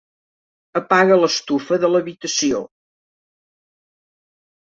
Apaga l'estufa de l'habitació.